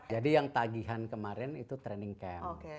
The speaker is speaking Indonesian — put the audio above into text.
jadi yang tagihan kemarin itu training camp